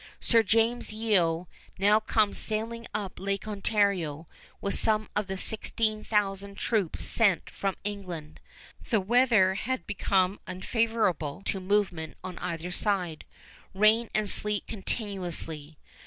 Sir James Yeo now comes sailing up Lake Ontario with some of the sixteen thousand troops sent from England. The weather became unfavorable to movement on either side, rain and sleet continuously.